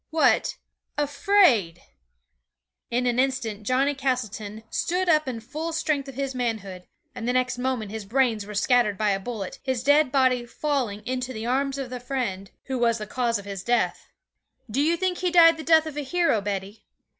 What? afraid!" 'In an instant Johnny Castleton stood up in the full strength of his manhood, and the next moment his brains were scattered by a bullet, his dead body falling into the arms of the friend who was the cause of his death. Do you think he died the death of a hero, Betty?